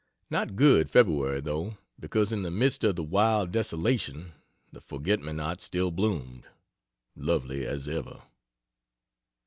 Not good February, though, because in the midst of the wild desolation the forget me not still bloomed, lovely as ever.